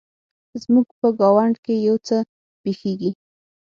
زموږ په ګاونډ کې يو څه پیښیږي